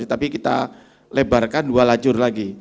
tapi kita lebarkan dua lajur lagi